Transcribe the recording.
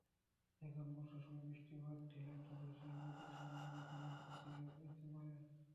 এখন বর্ষার সময় বৃষ্টিতে টিলাটা ধসিয়া মাদ্রাসার মানুষজনের ক্ষতি অইতে পারে।